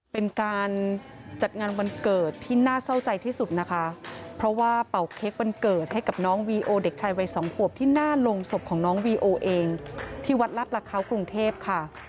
เป็นการจัดงานวันเกิดที่น่าเศร้าใจที่สุดนะคะเพราะว่าเป่าเค้กวันเกิดให้กับน้องวีโอเด็กชายวัยสองขวบที่หน้าโรงศพของน้องวีโอเองที่วัดลาประเขากรุงเทพค่ะ